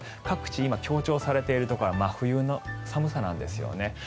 各地、今強調されているところは真冬の寒さなんですね。